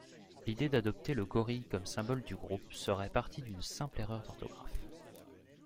L'idée d'adopter le gorille comme symbole du groupe, serait partie d'une simple erreur d'orthographe.